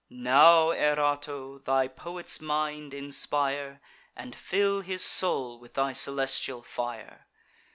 Now, Erato, thy poet's mind inspire, And fill his soul with thy celestial fire!